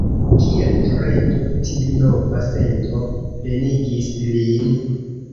Kiel torento tiu nova sento plenigis lin.